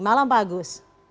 malam pak agus